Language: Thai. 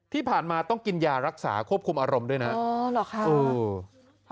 ที่ผ่านมาต้องกินยารักษาควบคุมอารมณ์ด้วยนะอ๋อเหรอคะ